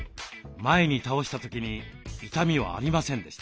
前に倒した時に痛みはありませんでした。